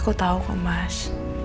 aku tau kok mas